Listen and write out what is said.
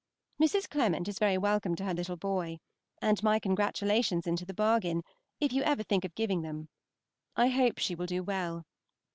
Mrs. Clement is very welcome to her little boy, and to my congratulations into the bargain, if ever you think of giving them. I hope she will do well.